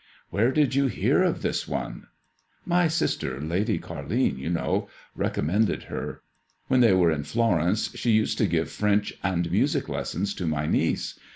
Where did you hear of this one ?"" My sister — Lady Carline, you know — recommended her. When they were in Florence she MADEIIOISSLLB DCS. used to give French and music lessons to my niece.